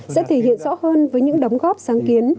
sẽ thể hiện rõ hơn với những đóng góp sáng kiến